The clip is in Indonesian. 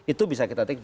itu bisa kita take down